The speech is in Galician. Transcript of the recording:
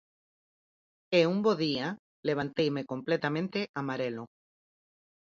E un bo día, levanteime completamente amarelo.